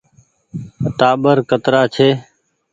ٽآٻر ڪترآ ڇي ۔